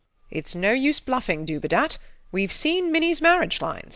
It's no use bluffing, Dubedat. Weve seen Minnie's marriage lines.